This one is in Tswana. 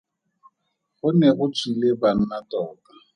Go ne go tswile banna tota.